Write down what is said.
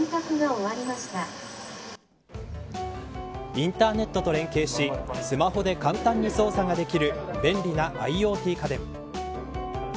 インターネットと連携しスマホで簡単に操作ができる便利なＩｏＴ家電。